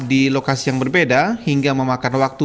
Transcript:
di lokasi yang berbeda hingga memakan waktu